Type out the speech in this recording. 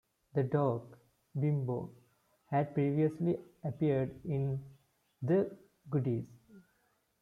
The dog, Bimbo, had previously appeared in "The Goodies".